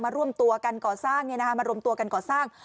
ร่วมตัวกันก่อสร้างมารวมตัวกันก่อสร้าง